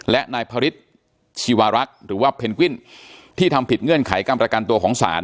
และนายพระฤทธิ์ชีวารักษ์หรือว่าเพนกวินที่ทำผิดเงื่อนไขการประกันตัวของศาล